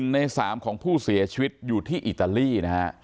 ใน๓ของผู้เสียชีวิตอยู่ที่อิตาลีนะฮะ